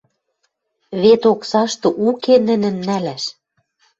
Вет оксашты уке нӹнӹн нӓлӓш.